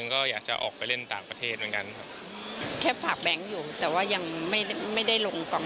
ก็อยากจะดูว่ามันจะแตกหนังกันอย่างนี้